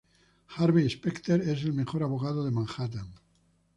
Harvey Specter es el mejor abogado de Manhattan.